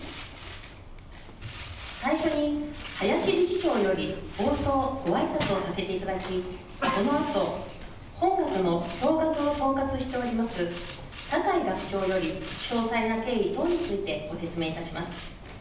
最初に林理事長より冒頭、ごあいさつをさせていただき、そのあと、本学のを統括しております、酒井学長より詳細な経緯等についてご説明いたします。